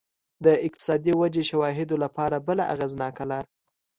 د اقتصادي ودې شواهدو لپاره بله اغېزناکه لار